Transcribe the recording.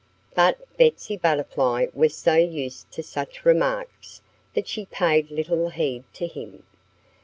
But Betsy Butterfly was so used to such remarks that she paid little heed to him.